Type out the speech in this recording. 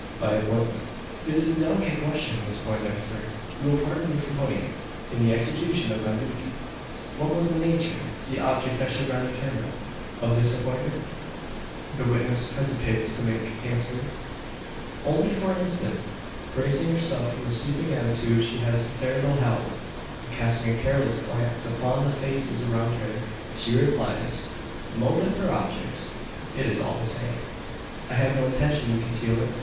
"By appointment." "It is a delicate question, Miss Poindexter; you will pardon me for putting it in the execution of my duty: What was the nature the object I should rather term it of this appointment?" The witness hesitates to make answer. Only for an instant. Braising herself from the stooping attitude she has hitherto held, and casting a careless glance upon the faces around her, she replies "Motive, or object, it is all the same. I have no intention to conceal it.